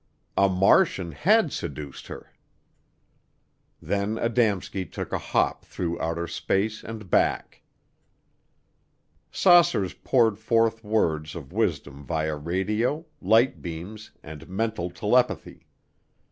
A Martian had seduced her. Then Adamski took a hop through outer space and back. Saucers poured forth words of wisdom via radio, light beams and mental telepathy.